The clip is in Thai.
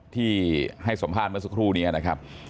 ที่ให้สัมภาษณ์เมื่อสักครู่นี้นะครับ